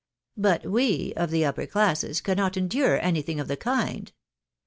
But we, of the upper classes, cannot endure anything of the kind.